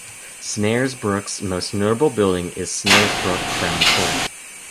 Snaresbrook's most notable building is Snaresbrook Crown Court.